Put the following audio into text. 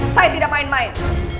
saya tidak main main